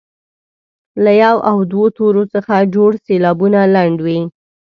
له یو او دوو تورو څخه جوړ سېلابونه لنډ وي.